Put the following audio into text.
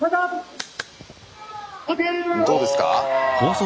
どうですか？